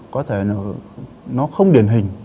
có thể nó không điển hình